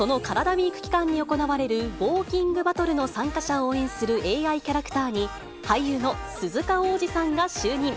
ＷＥＥＫ期間に行われる、ウオーキングバトルの参加者を応援するＡＩキャラクターに、俳優の鈴鹿央士さんが就任。